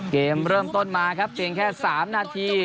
เกมเริ่มต้นมาครับเพียงแค่๓นาที